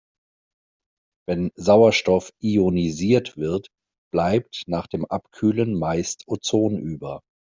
Wenn Sauerstoff ionisiert wird, bleibt nach dem Abkühlen meist Ozon über.